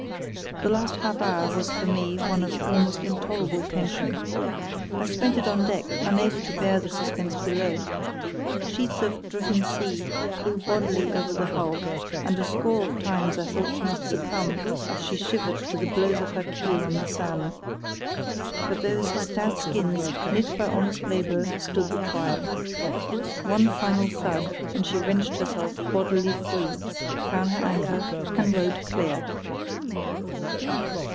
The last half hour was for me one of almost intolerable tension. I spent it on deck unable to bear the suspense below. Sheets of driven sea flew bodily over the hull, and a score of times I thought she must succumb as she shivered to the blows of her keel on the sand. But those stout skins knit by honest labour stood the trial. One final thud and she wrenched herself bodily free, found her anchor, and rode clear.